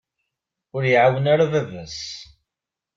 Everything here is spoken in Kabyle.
Ur iɛawen ara baba-s.